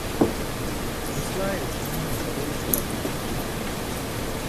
Svislé je členěno řadou kulatých sloupů.